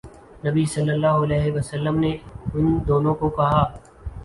نبی صلی اللہ علیہ وسلم نے ان دونوں کو کہا